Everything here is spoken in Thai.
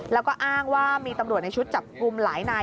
แล้วก็อ้างว่ามีตำรวจในชุดจับกลุ่มหลายนาย